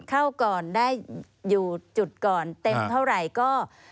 ก่อนได้อยู่จุดก่อนเต็มเท่าไหร่ก็